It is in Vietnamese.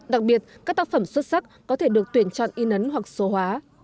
đặc biệt các tác phẩm xuất sắc có thể được tuyển chọn in ấn hoặc số hóa